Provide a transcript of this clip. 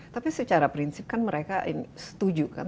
tapi secara prinsip kan mereka setuju kan